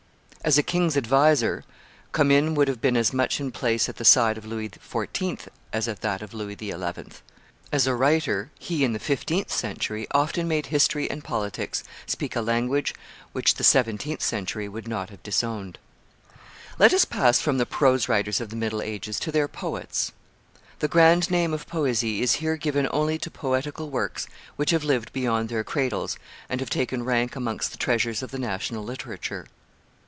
As a king's adviser, Commynes would have been as much in place at the side of Louis XIV. as at that of Louis XI.; as a writer, he, in the fifteenth century, often made history and politics speak a language which the seventeenth century would not have disowned. Let us pass from the prose writers of the middle ages to their poets. The grand name of poesy is here given only to poetical works which have lived beyond their cradles and have taken rank amongst the treasures of the national literature.